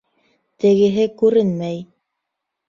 Тегеһе күренмәй.